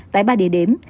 tại ba địa điểm